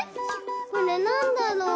これなんだろう？